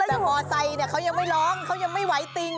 แต่มอไซค์เขายังไม่ร้องเขายังไม่ไหวติง